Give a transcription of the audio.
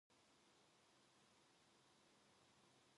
나무 등걸이나 무엇 같고 제 것 같지도 않은 다리를